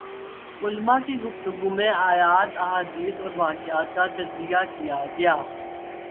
علماء کی گفتگو میں آیات ، احادیث اور واقعات کا تجزیہ کیا گیا